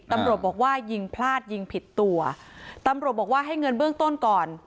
ตำรวจบอกว่ายิงพลาดยิงผิดตัวตำรวจบอกว่าให้เงินเบื้องต้นก่อน